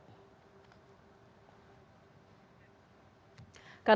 rute bus ini akan beroperasi pukul enam pagi hingga pukul sembilan pagi waktu indonesia barat